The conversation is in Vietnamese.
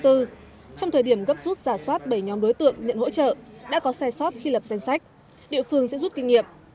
trong thời điểm gấp rút giả soát bảy nhóm đối tượng nhận hỗ trợ đã có xe sót khi lập danh sách địa phương sẽ rút kinh nghiệm